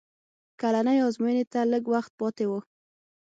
کلنۍ ازموینې ته لږ وخت پاتې و